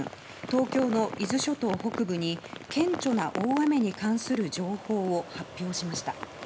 東京の伊豆諸島北部に顕著な大雨に関する情報を発表しました。